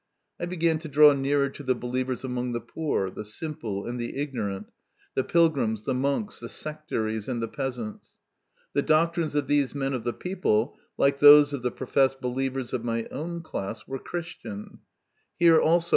I began to draw nearer to the believers among the poor, the simple, and the ignorant, the pilgrims, the monks, the sectaries, and the peasants. The doctrines of these men of the people, like those of the pretended believers of my own class, were Christian. Here also 98 MY CONFESSION.